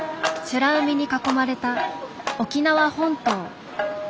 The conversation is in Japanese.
ちゅら海に囲まれた沖縄本島。